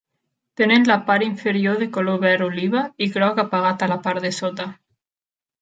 Tenen la part inferior de color verd oliva i groc apagat a la part de sota.